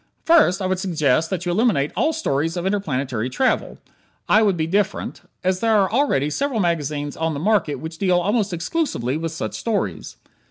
First, I would suggest that you eliminate all stories of interplanetary travel (I would be different), as there are already several magazines on the market which deal almost exclusively with such stories.